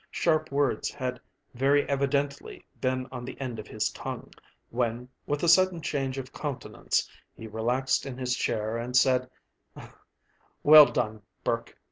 Sharp words had very evidently been on the end of his tongue, when, with a sudden change of countenance, he relaxed in his chair, and said: "Well done, Burke.